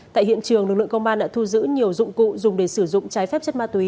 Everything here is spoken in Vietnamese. tại hiện trường lực lượng công an đã thu giữ nhiều dụng cụ dùng để sử dụng trái phép chất ma túy